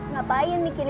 ngapain bikin ini